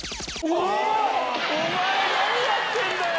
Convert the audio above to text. お前何やってんだよ！